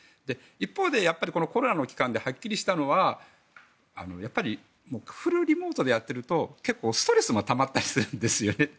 一方でコロナの期間ではっきりしたのはフルリモートでやってると結構ストレスがたまったりするんですよね。